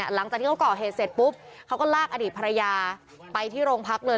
หลังจากที่เขาก่อเหตุเสร็จปุ๊บเขาก็ลากอดีตภรรยาไปที่โรงพักเลย